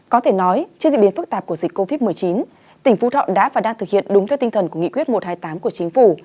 có thể nói trên diễn biến phức tạp của dịch covid một mươi chín tỉnh phú thọ đã và đang thực hiện đúng theo tinh thần của nghị quyết một trăm hai mươi tám của chính phủ